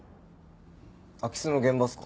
空き巣の現場ですか？